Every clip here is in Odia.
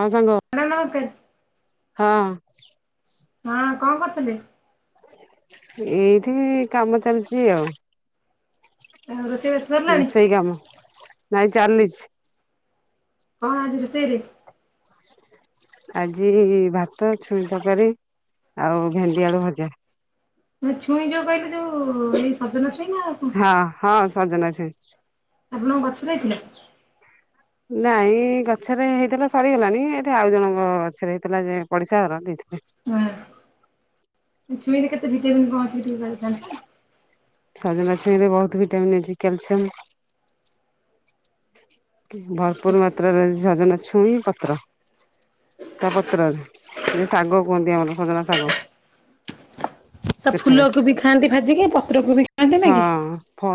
ହଁ ସାଙ୍ଗ, ଆଜ୍ଞା ନମସ୍କାର ହଁ ହଁ କଁ କରୁଥିଲେ, ଏଇଠି କାମ ଚାଲିଛି ଆଉ, ରୋଷେଇ ବାସ ସରିଲାଣି ରୋଷେଇ କାମ ନାଇଁ ଚାଲିଲିଛି, କଣ ଆଜି ରୋଷେଇ ରେ? ଆଜି ଭାତ ଛୁଇଁ ତରକାରୀ ଆଉ ଭେଣ୍ଡି ଆଳୁ ଭଜା, ନା ଛୁଇଁ ଯୋଉ କହିଲି ଯୋଉ ଏଇ ସଜନା ଛୁଇଁ ନା ଆଉ କଁ? ହଁ ହଁ ସଜନା ଅଛ, ଆପଣଙ୍କ ଗଛରେଇଥିଲେ, ନାଇଁ ଗଛରେ ହେଇଥିଲା ସରିଗଲାଣି ଏଠି ଆଉ ଜଣଙ୍କ ଗଛରେ ହେଇଥିଲା ଯେ ପଡିଶା ଘର ଦେଇଥିଲେ, ହଁ ଛୁଇଁ ରେ କେତେ ଭିଟାମଗ କଁ ଅଛି [unintelligible] ସଜନା ଛଇଁରେ ବହୁତ୍ ଭିଟାମିନ ଅଛି କ୍ୟାଲସିୟମ, ଭରପୁର ମାତ୍ରାରେ ଝଜନ୍ ଛୁଇଁ ପତ୍ର, ତା ପତ୍ରରେ ଯେ ଶାଗ କୁହନ୍ତି ଆମର ଖଜନା ଶାଗ, ତା ସେଥିରେ ଫୁଲକୁ ବି ଖାଆନ୍ତି ଭାଜିିକି ପତ୍ର କୁ ବି, ଖାଆନ୍ତି ନା ହଁ କି ଫ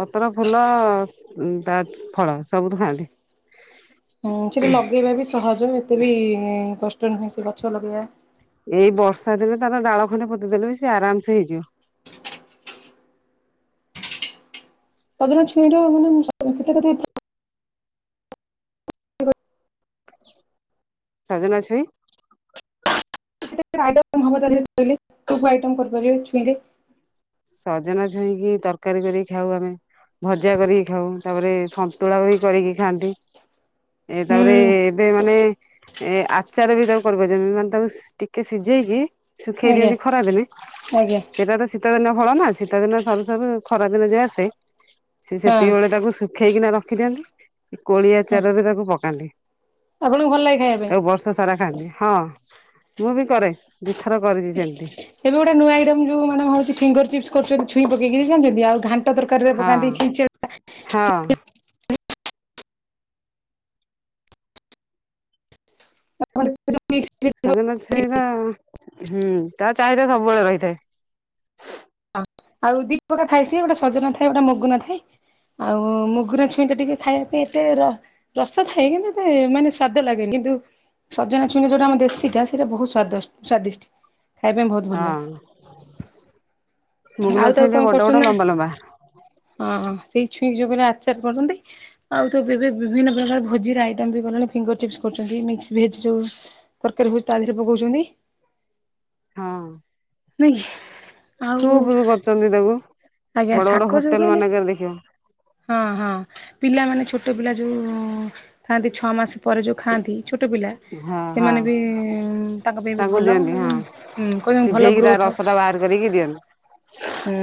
ପତ୍ର ଫୁଲ ତା ଫଳ ସବୁ କୁ ଖାଆନ୍ତି, ହୁଁ ସେଟା ଲଗେଇବା ବି ସହଜ ଏତେ ବି କଷ୍ଟ ନୁହେଁ ସେ ଗଛ ଲଗେଇବା, ଏଇ ବର୍ଷା ଦିନଲେ ତାର ଡାଳ ଖଣ୍ଡେ ପୋତିଦ ଦେଲେ ବି ସେ ଆରାମ ସେ ହେଇଯିବ, ପଜନ ଛୁଇଁ ର ମାନେ [unintelligible] କେତେ କେ, [inaudible] ସଜନା ଛୁଇଁ, [inaudible] କୋଉ-କୋଉ ଆଇଟ କରିପାରିବେ ଛୁଇଁଲେ? ସଜନା ଛୁଇଁକି ତରକାରୀ କରିକି ଖାଉ ଆମେ, ଭଜା କରିକି ଖାଉ ତାପରେ ସନ୍ତୁଳା ବି କରିକି ଖାଆନ୍ତି, ଏ ତାପରେ ହୁଁ ଏବେ ମାନେ, ଏ ଆଚାର ବି ତାକୁ କରିବ ଜମି ମାନେ ତାକୁ ଇସ୍ ଟିକେ ସିଝେଇକି, ଶୁଖେଇ ଆଜ୍ଞା। ଦିଅନ୍ତି ଖରାଦିନେ ଆଜ୍ଞା ସେଟା ତ ଶୀତଦିନ, ଫଳ ନା ଶୀତ ଦିନ ସରୁ-ସରୁ ଖରା ଦିନ ଯେ ଆସେ ସେ ହଁ ସେତିକବେଳେ ତାକୁ ମୁଁ, ଖେଇକିନା ରଖି ଦିଅନ୍ତି କୋଳି ହଁ ଆଚାରରେ ତାକୁ ପକାନ୍ତି, ଆପଣଙ୍କୁ ଭଲ ଲାଗେ ଖାଇବା ତାକୁ ପାଇଁ, ବର୍ଷ ସାରା ଖାଆନ୍ତି ହଁ ମୁଁ ବି କରେ ଦିଥର କରିଛି ସେମତି, ଏବେ ଗୋଟେ ନୂଆଇଟମ୍ ଯୋଉ ମାନେ ହଉ ଫିଙ୍ଗର ଚିପସ୍ କରୁଛନ୍ତି ଛୁଇଁ ପକେଇକିରି କିଏ ଆଣୁଛନ୍ତି ଆଉ ଘାଟ୍, ହଁ-ହଁ, [inaudible] ଗନା ଛୁଇର ହୁଁ ତା ଚାହିଦା ସବୁବେଳେ ରହିଥାଏ, ଆଉ ଦି ପ୍ରା ଥାଏ ସିଏ ଗୋଟେ ସଜନା ଥାଏ ଗୋଟେ ମଗୁ ନ ଥାଏ, ଆଉ ମୁଗୁରା ଛୁଇଁଟା ଟିକେ ଖାଇବା ପାଇଁ ଏତେ ର, ରସ ଥାଏ କିନ୍ତୁ ଏତେ ମାନେ ସ୍ଵାଦ ଲାଗେନି କିନ୍ତୁ, ସଜନା ଛୁଣି ଯୋଉଟା ଆମ ଦେଶୀଟା ସେଇଟା ବହୁତ ସ୍ବାଦିଷ୍ଟ ସ୍ଵାଦିଷ୍ଟ। ଖାଇବା ପାଇଁ ବହୁତ ଭଲ ହଁ। ଲାଗେ। ମୁଗୁନା ଆଉ ଛୁଇଁ ତାକୁ ଟିକେ କଣ ବଡ କରୁଛନ୍ତି ବଡ ନା। ଲମ୍ବା ଲମ୍ବା ହଁ, ସେଇ ଛୁଇଁ ଯୋଗୁରଚ ଆଚାର କରୁଛନ୍ତି। ଆଉ ତ ବେବେ ବିଭିନ୍ନ ପ୍ରକାର ଭୋଜିର ଆଇଟମ୍ ବି ବନାନି। ଫିଙ୍ଗର ଚିପ୍ସ୍ କରୁଛନ୍ତିି ମିକସ୍ ଭେଜି ଯେଉଁ ତରକାରୀ ବହୁତ ତାଧିଏରେ ପକେଉଛନ୍ତି। ହଁ। ନାଇଁ ଆଉ ସୁପ୍ ବି କରୁଚନ୍ତି ତାକୁ ଆଜ୍ଞା ବଡ଼ ଶାଗ ବଡ଼ ଯୋଉ ହୋଟେଲ କହିଲେ ମାନେଙ୍କରେ ଦେଖିବ। ହଁ ହଁ। ପିଲାମାନେ ଛୋଟ ପିଲା ଯୋଉଁ ଖଆନ୍ତି ଛଅ ମାସ ପରେ ଯୋଉ ଖାଆନ୍ତି ଛୋଟ ପିଲା। ହଁ ହଁ ସେମାନେ ବି ତାଙ୍କ ପାଇଁ ବି ତାଙ୍କୁ ଭଲ ଉଁ କହିବେ ଭଲ ଗ୍ରୋଥ। ଛତା ବାହାର କରିକି ଦିଅନ୍ତି। ହୁଁ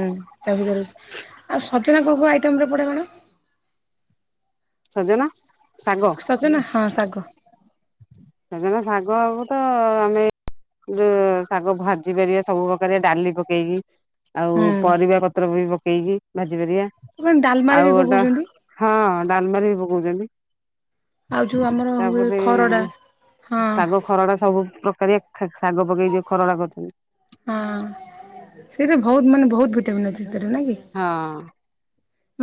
ତା ଭିତରେ ଆଉ ସଜନା କୋଉଁ କୋଉଁ ଆଇଟମ ରେ ପଡ଼େଇକି ବନାଅ। ସଜନା ଶାଗ। ସଜନା ହଁ, ଶାଗ। ସେଜନା ଶାଗ ଅ ବୂତ ଆମେ ଯେଉଁ ଶାଗ ଭାଜି ପାରିବେ, ସବୁ ପ୍ରକାରେ ଡାଲି ପକେଇକି। ଆଉ ପରିବା ପତ୍ର ବି ପକେଇକି ଭାଜି ପାରିବେ ହୁଁ ଡାଲମାରେ ବି ଆଉ ଗୋଟା ପକଉଛନ୍ତି। ହଁ ଡାଲମାରେ ବି ପକେଉଚନ୍ତି। ଆଉ ଯୋଉ ଆମର ହୁଏ ଖରଡ଼ା। ହଁ ପାଗ ଖରଡ଼ା ସବୁ ପ୍ରକାରିଆ ଖା ଶାଗ ପକେଇ ଯଉ ଖରଡ଼ା କରୁଚନ୍ତି। ହଁ ସେଇଟା ବହୁତ ମାନେ ବହୁତ ଭିଟାମନ୍ ଅଛି ସେଥିରେ ନାଇଁ କି? ହଁ।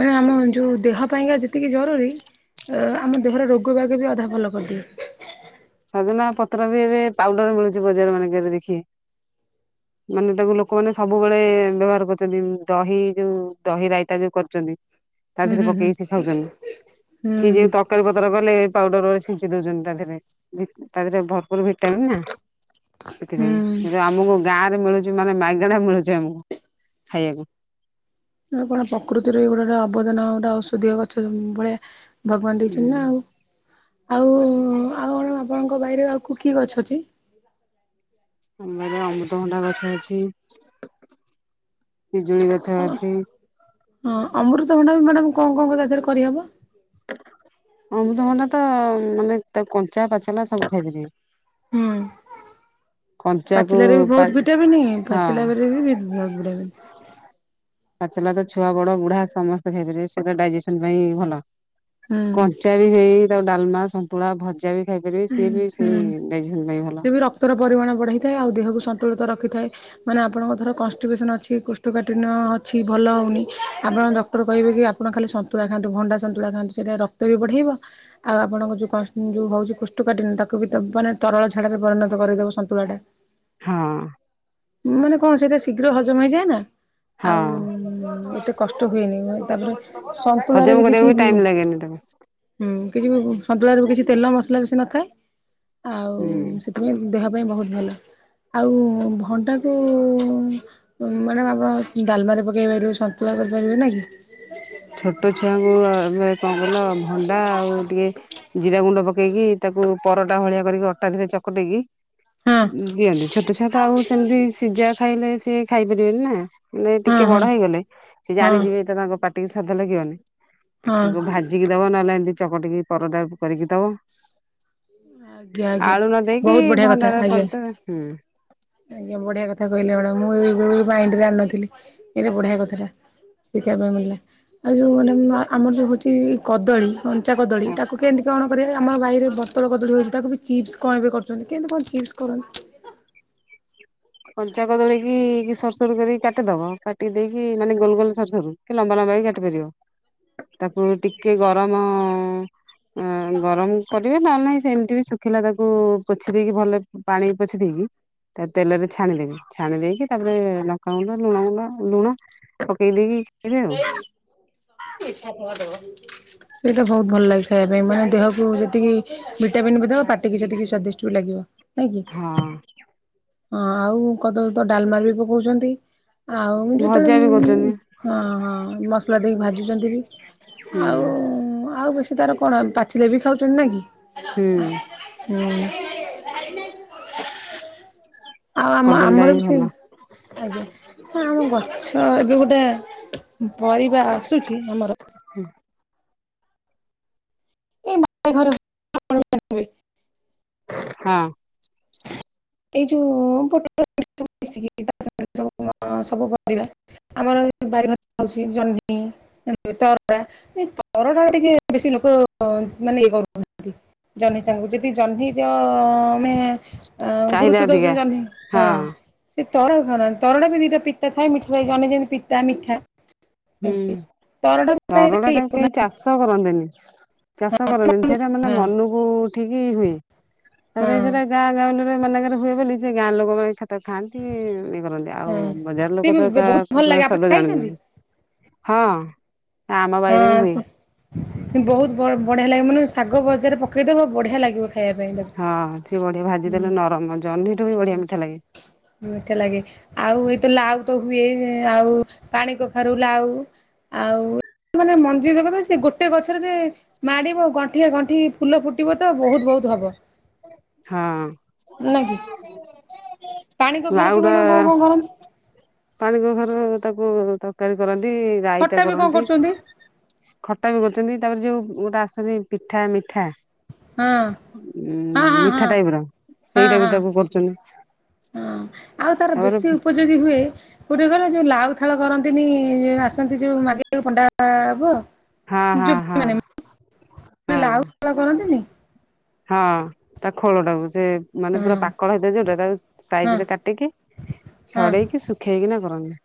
ମାନେ ଆମ ଯୋଉ ଦେହ ପାଇଁକା ଯେତିକି ଜରୁରୀ [unintelligible] ଆମ ଦେହର ରୋଗ୍ କଇବାକୁ ବି ଅଧା ଭଲ କରିଦିଏ। ସଜନା ପତ୍ର ବି ଏବେ ପାଉଡ଼ର ମିଳୁଛି ବଜାର ମାନଙ୍କରେ ଦେଖି। ମାନେ ତାକୁ ଲୋକମାନେ ସବୁବେଳେ ବ୍ୟବହାର କରୁଚନ୍ତି। ଦହି ଯୋଉ ଦହି ରାଇତା ଯୋଉ କରୁଚନ୍ତି ତା ହୁଁ ଦେହରେ ହୁଁ ହୁଁ। ପକେଇକି ସେ ଖାଉଚନ ହୁଁ କି ଯେଏ ତକ୍। ତରକାରୀ ପତ୍ର କଲେ ପାଉଡ଼ର୍ ସିଯେଇ ଦଉଛନ୍ତି ତାହାଦେହରେ ବିକ୍ ତା ଦେହରେ ଭରପୂର ଭିଟାମିନ ନା? ସେଥିପାଇଁ ହୁଁ। କିନ୍ତୁ ଆମକୁ ଗାଁରେ ମିଳୁଚି, ମାନେ ମାଗଣା ମିଳୁଚି ଆମକୁ ଖାଇବାକୁ। ଆପଣ ପ୍ରକୃତିରେ ଗୋଟା ଗୋଟା ଆବଦାନ, ଗୋଟା ଔଷଧୀୟ ଗଛ ଭଳିଆ। ଭଗବାନ ଦେଇଚନ୍ତି ହୁଁ ନା। ଆଉ, ଆଉ ଆଉ କଣ ଆପଣଙ୍କ ବାଇରେ ଆଉ କି ଗଛ ଅଛି? ଆମ ବାରିରେ ଅମୃତଭଣ୍ଡା ଗଛ ଅଛି, ପିଜୁଳି ଗଛ୍। ଓ ହଁ ଅମୃତଭଣ୍ଡା ବି, ମ୍ୟାଡାମ୍। କଣ କଣ [unintelligible] କରିହବ? ଅମୃତଭଣ୍ଡା ତ ମାନେ ତା କଞ୍ଚା, ପାଚଲା ସବୁ ଖାଇପାରିବେ। ହୁଁ। କଞ୍ଚାକୁ ପାଚିଲାରେ ବି ପା ବହୁତ ଭିଟାମନି ହଁ ପାଚିଲା [unintelligible] ଭିଟାମନ୍ ପାଚିଲା ଟା ଛୁଆ ବଡ, ବୁଢା ସମସ୍ତେ ଖାଇଦେବେ। ସୁଗର୍ ଡାଇଜେସନ୍ ପାଇଁ ଭଲ। ଏଁ ଚାରିଜାଇ, ତା, ଡାଲମା, ସନ୍ତୁଳା, ଭଜା ବି ଖାଇପାରିବେ। ସିଏ ବି ସେଇ ଡାଇଜେସନ୍ ପାଇଁ ଭଲ। ତେର ପରିମାଣ ବଢ଼ାଇଥାଏ ଆଉ ଦେହକୁ ସନ୍ତୁଳିତ ରଖିଥାଏ। ମାନେ ଆପଣଙ୍କ ଧର କଷ୍ଠିବେସନ ଅଛି କୁଷ୍ଠବ୍ୟାପିନ ଅଛି ଭଲ ହଉନି ଆପଣ ଦଖ୍। ଡାକ୍ତର କହିବେ କି, ଆପଣ ଖାଲି ସନ୍ତୁଳା ଖାଆନ୍ତୁ, ଭଣ୍ଡା ସନ୍ତୁଳା ଖାଆନ୍ତୁ। ସେଟା ରକ୍ତ ବି ବଢ଼େଇବ। ଆଉ ଆପଣଙ୍କ ଯୋଉ କଷ୍ଟ ଉଁ ଯୋଉ ହଉଛି କୁଷ୍ଠ୍ ତୁ କାଟିନୁ ତାକୁ ବି ମାନେ ତରଳା ଝାଡ଼ାରେ ପରିଣତ କରିଦେବ ସନ୍ତୁଳା ଟା। ହଁ। ମାନେ କଣ ସେଇଟା ଶୀଘ୍ର ହଜମ ହେଇଯାଏ ନା? ହଁ। ହୁଁ ଏତେ କଷ୍ଟ ହୁଏନି, ତାପରେ ସନ୍ତୁଳାରେ ବି କିଛି ଉଁ କେନ ଦେମ। ହୁଁ କିଛି ବି ସନ୍ତୁଳା ରେ କିଛି ତେଲ ମସଲା ବେଶୀ ନଥାଏ ଆଉ ହୁଁ। ସେଥିପାଇଁ ଦେହ ପାଇଁ ବହୁତ ଭଲ। ଆଉ ଭଣ୍ଡା କୁ ମ୍ୟାଡମ ଆପଣ ଡାଲମାରେ ପକେଇ ପାରିବେ ସନ୍ତୁଳା କରିପାରିବେ ନା କି? ଛୋଟ ଛୁଆଙ୍କୁ ଏବେ କଣ କହୀଲ ଭଣ୍ଡା ଆଉ ଟିକେ ଜିରା ଗୁଣ୍ଡ ପକେଇକି ତାକୁ ପରଟା ଭଳିଆ କରିକି ଅଟା ଧରେ ଚକଟେଇକି ହଁ ଦିଅନ୍ତି ଛୋଟ ଛୁଆ ତ ଆଉ ସେମିତି ସିଝା ଖାଇଲେ ସିଏ ଖାଇ ପାରିବେନି ନା। ନ ହଁ ଟିକେ ବଡ ହଁ ହେଇଗଲେ ସେ ହଁ ଜାଣିଯିବେ ତ ତାଙ୍କ ପାଟିିକି ସ୍ଵଦ୍ଧ ଲାଗିବନି ହଁ ତାକୁ ଭାଜି ଭାଜିକି ଦବ ନହେଲେ ଏମତି ଚକଟିକି ପରଟା କରିକି ଦବ। ଆଜ୍ଞା ଆଜ୍ଞା ଆଳୁ ନ ଦେଇକି ବହୁତ ବଢ଼ିଆ କଥା ଭଣ୍ଡାରରେ ଆଜ୍ଞା। କରୀ ଦେବେ। ଆଜ୍ଞା ବଢିଆ କଥା କହିଲେ ମ୍ୟାଡ଼ାମ ମୁଁ ଏ ମାଇଣ୍ଡରେ ଜାଣିନଥିଲି ଏଇଟ ବଢିଆ କଥାଟା। ଶିଖିବା ପାଇଁ ମିଳିଲା ଆଉ ଯେଉଁ ମାନେ ଆମର ଯେଉଁ ହେଉଛି କଦଳୀ ଲଞ୍ଚା କଦଳୀ ଆଉ ତାକୁ କେମିତି କଣ କରିବା ଆମ ବାଇରେ ବତଳ କଦଳୀ ହୋଇଛି? ତାକୁ ବି ଚିପ୍ସ କଣ ଏବେ କରୁଛନ୍ତି କେମିତି କଣ ଚିପ୍ସ କରନ୍ତି? କଞ୍ଚା କଦଳୀ କି ସରୁ ସରୁ କରିକି କାଟିଦବ କାଟିି ଦେଇକି ମାନେ ଗୋଲ ଗୋଲ ସର ସରୁ। ଲମ୍ବା ଲମ୍ବା ବି କାଟି ପାରିବ ତାକୁ ଟିକେ ଗରମ ଏଇଁ ଗରମ କରିବେ ନ ହେଲେ ନାହିଁ ସେମିତି ଏମିତି ବି ଶୁଖିଲା ତାକୁ ଉ ପୋଛି ଦେଇକି ଭଲ ପାଣି ପୋଛି ଦେଇ କି ତେଲରେ ଛାଣିଦେବି ଛାଣି ଦେଇକି ତାପରେ ଲଙ୍କାଗୁଣ୍ଡ, ଲୁଣ ଗୁଣ୍ଡ ଲୁଣ ପକେଇ ଦେଇକି। [unintelligible] [unintelligible] ସେଇଟା ବହୁତ ଭଲ ଲାଗିଥାଏ ଖାଇବା ପାଇଁ ମାନେ ଦେହକୁ ଯେତିକି ଭିଟାମିନ୍ ବି ଦେବ ପାଟିଟିକି ସେତିକି ସ୍ଵାଦିଷ୍ଟ ଲାଗିବ। ନାଇଁ କି, ଆଉ ହଁ ଆଉ କଦଳୀ ତ ଡାଲମାରେ ବି ପକଉଛନ୍ତି। ଆଉ ମୁଁ ହଁ ଯେତେବେଳେ ଭଜା ବି କରୁଛନ୍ତି ମୁଁ ହଁ ହଁ ମସଲା ଦେଇକି ଭାଜୁଛନ୍ତି ବି, ହୁଁ ଆଉ ଆଉ ବେଶ ତାର କଣ ପାଚିଲେ ବି ଖାଉଛନ୍ତି ନା ଇ କି? ହୁଁ। ହୁଁ। [inaudible] ଆଉ ଆମ କଦଳୀଟା ଆମର ବି ଭଲ ସେମି ଆଜ୍ଞା, ହ ଆମ ଗଛ ଏବେ ଗୋଟେ ପରିବା ଆସୁଛି ଆମର। ଏଇ ବାଇ ଘର। ହଁ। ଏଇ ଯୋଉ। [unintelligible] ଆମର ବାରିଘରେ ହଉଛି ଜହ୍ନି। ମାନେ ତରଡା ଏଇ ତରଡା ଟିକେ ବେଶୀ ଲୋକ ମାନେ ଇଏ କରୁନାହାନ୍ତି। ଜହ୍ନି ସାଙ୍ଗ କୁ ଯଦି ଜହ୍ନିର ଆମେ ଆଁ ଚାହିଦା ଗୁରୁତ୍ୱ ଅଧିକା ଦଉଛନ୍ତି ଆମେ ହଁ। ସେ ତରଳ ତରଡ଼ା ବି ଦିଟା ପିତା ଥାଏ ମିଠା ଥାଏ ଜନ୍ନି ଯେମିତି ପିତା ମିଠା। ହୁଁ, ସେମିତି ତରଡ଼ାକୁ କାହିଁ ତରଡ଼ା ଏତେ ଟା ଇଏ କେହି ଚାଷ କରନ୍ତିନି। ଚାଷ କରନ୍ତି ନି କରୁନାହାନ୍ତି ସେଇଟା ମାନେ ହଁ ମନକୁ ଉଠିକି ହୁଏ। ହଁ ତାପରେ ଏଟା ଗାଁ ଗହଳିରେ ମାନଙ୍କରେ ହୁଏ ବୋଲି ସେ ଗାଁ ଲୋକମାନେ [unintelligible] ଇଏ କରନ୍ତି। ଆଉ ଆଉ ହଁ ବଜାର ସିଏ ଲୋକ ତ ବି ତା ବହୁତ ଭଲ ଲାଗେ [unintelligible] ଆପଣ ସବୁ ଖାଇଛନ୍ତି ଜାଣନ୍ତିନି। ହଁ ଆମ ହଁ ବାଇରେ ବି ହୁଏ। ସେ ବହୁତ ବ ବଢିଆ ଲାଗେ ମାନେ ଶାଗ ଭଜା ରେ ପକେଇଦବ ବଢିଆ ଲାଗିବ। ଖାଇବା ପାଇଁ ତାକୁ। ହଁ, ସିଏ ବଢିଆ ଭାଜି ଦେଲେ ନରମ ଜହ୍ନି ବି ଠୁ ବଢିଆ ମିଠା ଲାଗେ। ମିଠା ଲାଗେ। ଆଉ ଏଇତ ଲାଉ ତ ହୁଏ ଆଉ ପାଣି କଖାରୁ, ଲାଉ ଆଉ ମାନେ ମଞ୍ଜି ଲଗାନ୍ତି ସେ ଗୋଟେ ଗଛରେ ଯେ ମାଡିବ ଗଣ୍ଠିଆ ଗଣ୍ଠି ଫୁଲ ଫୁଟିବ ତ ବହୁତ ବହୁତ ହବ। ହଁ ନାଁ କି, ପାଣି କଖାରୁକୁ ଲାଉଟା ମାଡାମ କଣ କଣ କରନ୍ତି? ପାଣି କଖାରୁ ତାକୁ ତରକାରୀ କରନ୍ତି ଖଟା ରାଇତା ବି କଣ କରନ୍ତି। କରୁଛନ୍ତି? ଖଟା ବି କରୁଛନ୍ତି ତାପରେ ଯୋଉ ଗୋଟେ ଆସେନି ପିଠା ମିଠା। ହଁ ଉଁ ହଁ ହଁ ମିଠା ହଁ ଟାଇପ୍ ର ହଁ ସେଇଟା ବି ହଁ ତାକୁ କରୁଛନ୍ତି। ହଁ, ଆଉ ତାର ତାପରେ ବେଶୀ ଉପଯୋଗୀ ହୁଏ। କୋଉଟା କହିଲ ଯୋଉ ଲାଉ ଥାଳ ଧରନ୍ତିନି ଆସନ୍ତି ଯୋଉ ମାଗିବାକୁ ପଣ୍ଡା ପୁଅ। ହଁ ହଁ ଯୋଗୀ ହଁ ମାନେ ଯୋଉ ହଁ ଲାଉ ଥାଳ ଧରନ୍ତିନି! ହଁ। ତା ଖୋଳଟାକୁ ସେ ମାନେ ହଁ ପୁରା ପାକଳ ହେଇଥାଏ ଯୋଉଟା ତାକୁ ହଁ ସାଇଜ ରେ କାଟିକି ହଁ ଛଡେଇକି ଶୁଖେଇକିନା କରନ୍ତି।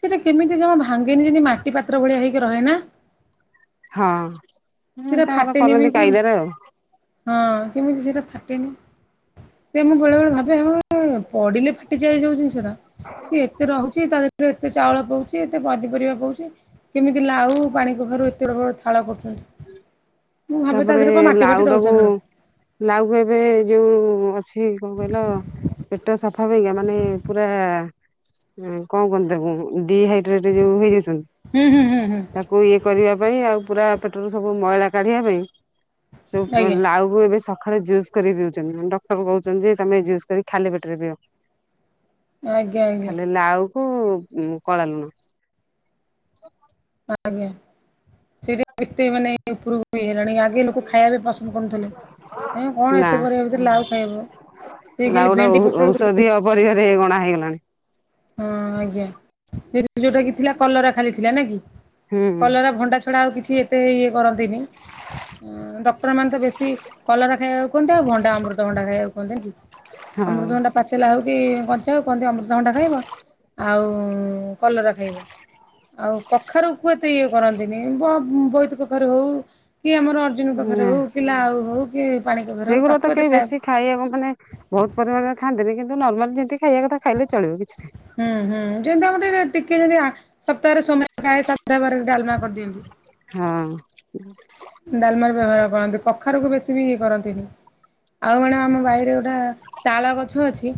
ସେଟା କେମିତି ଜମା ଭାଙ୍ଗେନି ଯେମିତି ମାଟି ପାତ୍ର ଭଳିଆ ହେଇକି ରହେ ନା! ହଁ କେମିତି ସେଇଟା ତାଙ୍କର ଫାଟେନି ବି କରନ୍ତି କି କାଇଦାରେ ଆଉ। ହଁ କେମିତି ସେଇଟା ଫାଟେନି, ସେଇଆ ମୁଁ ବେଳେ ବେଳେ ଭାବେ ହଁ ପଡିଲେ ଫା ଯାଏ ଯୋଉ ଜିନିଷ ଟା ସେ ଏତେ ରହୁଛି ତା ଭିତରେ ଏତେ ଚାଉଳ ପଉଛି ଏତେ ପନିପରିବା ପଉଛି। କେମିତି ଲାଉ ପାଣି କଖାରୁ ଏତେ ରକମର ଥାଳ କରୁଛନ୍ତି। ମୁଁ ଭାବେ ତା ତାପରେ ଦେହରେ କଣ ମାଟି ଫାଟି ଲାଉଟାକୁ ଦଉଛନ୍ତି ବୋଧେ ଲାଉକୁ ଏବେ ଯୋଉ ଅଛି କଣ କହିଲ ପେଟ ସଫା ପାଇଁକା ମାନେ ପୁରା କଣ କୁହନ୍ତି ତାକୁ ଡିହାଇ ଡ୍ରେଟ୍ ଯୋଉ ହେଇଯାଉଛନ୍ତି ହୁଁ ହୁଁ ହୁଁ ହୁଁ ତାକୁ ଇଏ କରିବା ପାଇଁ ଆଉ ପୁରା ପେଟରୁ ସବୁ ମଇଳା କାଢିବା ପାଇଁ ସବୁ ଆଜ୍ଞା। ଲାଉ ଲାଉକୁ ଏବେ ସକାଳେ ଜୁସ୍ କରିକି ପିଉଛନ୍ତି। ଡକ୍ଟର କହୁଛନ୍ତି ଯେ ତମେ ଜୁସ୍ କରିକି ଖାଲି ପେଟରେ ପିଅ। ଆଜ୍ଞା ଆଜ୍ଞା ଖାଲି ଲାଉକୁ କଳା ଲୁଣ। ଆଜ୍ଞା, [unintelligible] ହେଇଗଲାଣି। ଆଗେ ଲୋକ ଖାଇବା ବି ପସନ୍ଦ କରୁନଥିଲେ ଏଁ କଣ ଏତେ ପରିବା ଭିତରେ ଲାଉ ଖାଇବ। ସେଇ ଖାଲି ଲାଉଟା ଭେଣ୍ଡି ବୋହୁତ ପୋଟଳ ଔଷଧିୀୟ ପରିବାରେ ଗଣା ହେଇଗଲାଣି। ହଁ, ଆଜ୍ଞା। ଯୋଉଟା କି ଥିଲା କଲରା ଖାଲି ଥିଲା ନାଇଁ କି? ହୁଁ କଲରା, ଭଣ୍ଡା ଛଡା ଆଉ କିଛି ଏତେ ଇଏ କରନ୍ତିନି। ଡକ୍ଟର ମାନେ ତ ବେଶୀ କଲରା ଖାଇବାକୁ କୁହନ୍ତି ଆଉ ଭଣ୍ଡା ଅମୃତ ଭଣ୍ଡା ଖାଇବାକୁ କୁହନ୍ତି ନା। ହଁ। ଅମୃତଭଣ୍ଡା ପାଚେଲା ହେଉ କି କଞ୍ଚାହେଉ କହନ୍ତି ଅମୃତଭଣ୍ଡା ଖାଇବ। ଆଉ କଲରା ଖାଇବ। ଆଉ କଖାରୁ କୁ ଏତେ ଇଏ କରନ୍ତିନି ବ ବୋଇତ କଖାରୁ ହଉ କି ଆମର ଅର୍ଜୁନ କଖାରୁ ନା ହଉ, କି ଲାଉ ହଉ, କି ପାଣି କଖାରୁ ହଉ ତାକୁ ଏତେ ଖାଇବା ଖାଇବାକୁ ମାନେ ବହୁତ ପରିମାଣରେ ଖାଆନ୍ତିନି କିନ୍ତୁ ନର୍ମାଲ ଯେତିକି ଖାଇବା କଥା ଖାଇଲେ ଚଳିବ, କିଛି ନାହିଁ। ହୁଁ ହୁଁ, ଯେମିତି ତାକୁ ଟିକେ ଟିକେ ଯଦି ସପ୍ତାହରେ [unintelligible] ଡାଲମା କରିଦିଅନ୍ତୁ। ହଁ। ଡାଲମାର ବ୍ୟବହାର କରନ୍ତି କଖାରୁକୁ ବେଶୀ ବି ଇଏ କରନ୍ତିନି। ଆଉ ମାନେ ଆମ ବାାଇରେ ଗୋଟା ତାଳ ଗଛ ଅଛି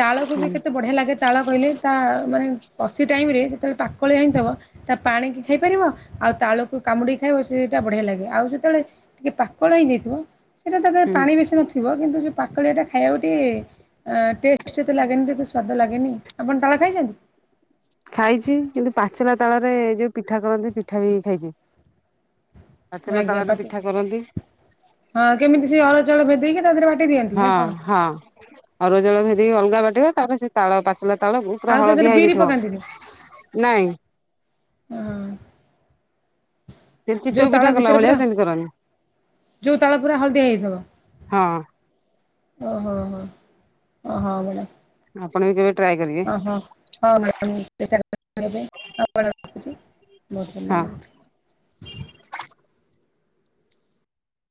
ତାଳକୁ ବି ହୁଁ କେତେ ବଢିଆ ଲାଗେ। ତାଳ କହିଲେ ତା ମାନେ କଶି ଟାଇମ ରେ ପାକଳ ହେଇଥିବ। ତା ପାଣିକି ଖାଇପାରିବ ଆଉ ତାଳକୁ କାମୁଡିି ଖାଇବ ସେଇଟା ବଢିଆ ଲାଗେ। ଆଉ ଯେତେବେଳେ ଟିକେ ପାକଳ ହେଇଯାଇଥିବ ସେଇଟା ତା ଦେହରେ ହୁଁ ପାଣି ବେଶୀ ନଥିବ। ଥିବ କିନ୍ତୁ ଯେଉଁ ପାଖଳିଆଟା ଖାଇବାକୁଟିେ। ଟେଷ୍ଟ କେତେ ଲାଗେନି କେତେ ସୁଆଦ ଲାଗେନି ଆପଣ ତାଳ ଖାଇଛନ୍ତି। ଖାଇଛି କିନ୍ତୁ ପାଚିଲା ତାଳରେ ଯୋଉ ପିଠା କରନ୍ତି ପିଠା ବି ଖାଇଛି। ପାଚିଲା ଆଜ୍ଞା ତାଳରେ ପିଠା କରନ୍ତି ହଁ କେମିତି ସେ ଅରୁଆଚାଉଳ ଭେଦେଇକି ତା ଦେହରେ ବା ହଁ ହଁ ଅରୁଆ ଚାଉଳ ଭେଦେଇକି ଅଲଗା ବାଟିବା ତାପରେ ସେ ତାଳ ପାଚଲା ତାଳ ଆଉ [unintelligible] ତା ଦେହରେ ହଳଦିଆ ବିରି ପକାନ୍ତିନି ହେଇଯାଇଥିବ ନାଇଁ। ହଁ। ସେ ଯୋଉ ଚିତଉ ତାଳ ପିଠା କଲା ଭିତରେ ଭଳିଆ ପୁରା ସେମିତି କରନ୍ତି। ଯୋଉ ତାଳ ପୁରା ହଳଦିଆ ହେଇଯିବ। ହଁ ଓଁ ହଁ ହଁ ହ ହଁ ଆପଣ ବି କେବେ ଟ୍ରାଏ କରିବେ। ହଁ ହଁ ମ୍ୟାଡ଼ାମ ହଁ ମ୍ୟାଡ଼ ରଖୁଛି ବହୁତ ଭଲ ହଁ। ଲାଗ [unintelligible]